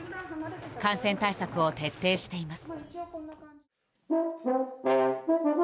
感染対策を徹底しています。